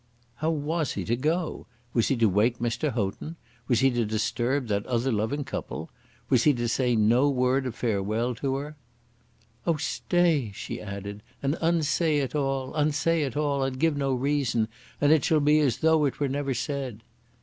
How was he to go? Was he to wake Mr. Houghton? Was he to disturb that other loving couple? Was he to say no word of farewell to her? "Oh, stay," she added, "and unsay it all unsay it all and give no reason, and it shall be as though it were never said."